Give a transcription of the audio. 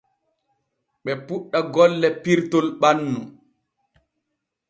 Ɓe puuɗɗa golle pirtol ɓannu.